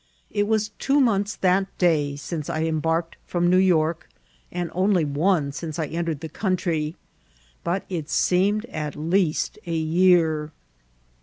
It was two months that day since I embarked from New Yoik| and only one since I entered the country, but it seemed at least a year.